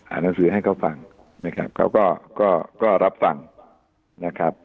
หนังสือให้เขาฟังนะครับเขาก็ก็รับฟังนะครับ